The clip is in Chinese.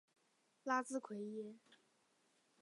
拉兹奎耶。